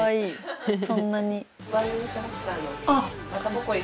そんなに。